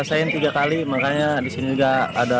sempat panik semua